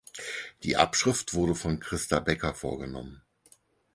Die Abschrift wurde von Christa Becker vorgenommen.